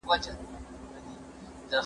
زه ږغ نه اورم؟!